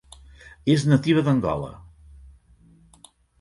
És nativa d'Angola.